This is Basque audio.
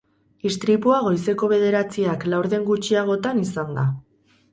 Istripua goizeko bederatziak laurden gutxiagotan izan da.